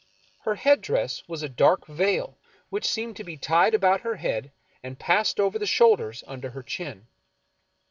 Her head dress was a dark veil which seemed to be tied about her head and passed over the shoulders under her chin.